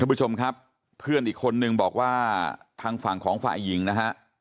ผู้ชมครับเพื่อนอีกคนนึงบอกว่าทางฝั่งของฝ่ายหญิงนะฮะ